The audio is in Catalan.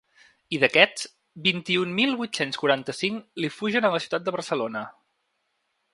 I, d’aquests, vint-i-un mil vuit-cents quaranta-cinc li fugen a la ciutat de Barcelona.